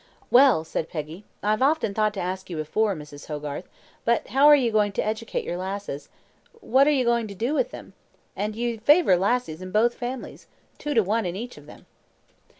"Well," said Peggy, "I've often thought to ask you before, Mrs. Hogarth, but how are you going to educate your lassies? What are you going to do with them? and you favour lassies in both families two to one in each of them."